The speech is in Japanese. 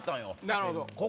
なるほど！